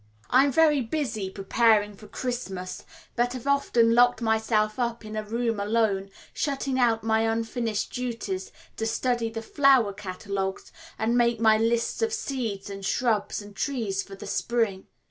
I am very busy preparing for Christmas, but have often locked myself up in a room alone, shutting out my unfinished duties, to study the flower catalogues and make my lists of seeds and shrubs and trees for the spring.